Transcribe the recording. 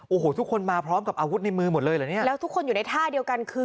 โอ้โหทุกคนมาพร้อมกับอาวุธในมือหมดเลยเหรอเนี่ยแล้วทุกคนอยู่ในท่าเดียวกันคือ